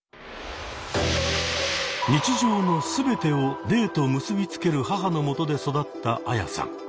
日常の全てを霊と結びつける母のもとで育ったアヤさん。